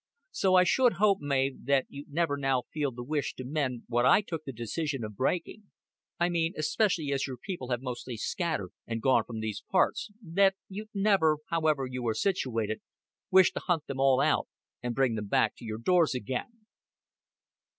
"So I should hope, Mav, that you'd never now feel the wish to mend what I took the decision of breaking. I mean, especially as your people have mostly scattered and gone from these parts, that you'd never, however you were situated, wish to hunt them all out and bring them back to your doors again."